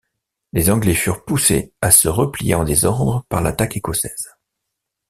Les Anglais furent poussés à se replier en désordre par l'attaque écossaise.